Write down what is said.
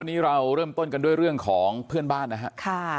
วันนี้เราเริ่มต้นกันด้วยเรื่องของเพื่อนบ้านนะครับ